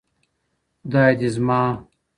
خداى دي زما